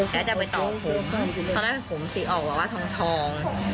แล้วจะไปต่อผมเขาได้ผมสีออกแบบว่าทอง